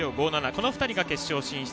この２人が決勝進出。